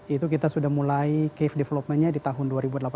itu kita sudah mulai cave developmentnya di tahun dua ribu delapan belas